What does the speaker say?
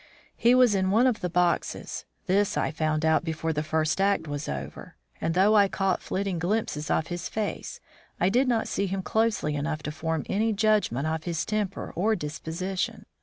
He was in one of the boxes; this I found out before the first act was over; and though I caught flitting glimpses of his face, I did not see him closely enough to form any judgment of his temper or disposition.